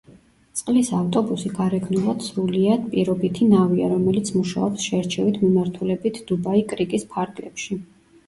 წყლის ავტობუსი გარეგნულად სრულიად პირობითი ნავია, რომელიც მუშაობს შერჩევით მიმართულებით დუბაი-კრიკის ფარგლებში.